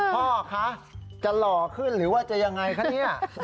พ่อคะจะหล่อขึ้นหรือว่าจะยังไงคะเนี่ย